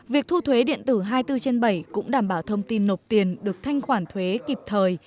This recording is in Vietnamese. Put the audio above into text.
việc thu thuế điện tử hai mươi bốn trên bảy cũng đảm bảo thông tin nộp tiền được thanh khoản thuế kịp thời